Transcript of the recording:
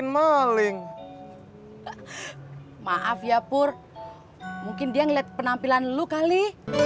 maaf ya pur mungkin dia ngeliat penampilan lu kali